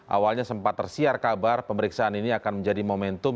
awalnya sempat tersiar kabar pemeriksaan ini akan menjadi momentum